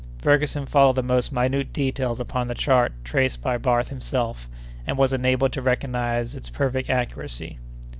Ferguson followed the most minute details upon the chart traced by Barth himself, and was enabled to recognize its perfect accuracy.